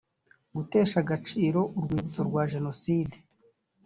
gutesha agaciro urwibutso rwa jenoside